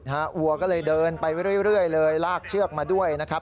วัวก็เลยเดินไปเรื่อยเลยลากเชือกมาด้วยนะครับ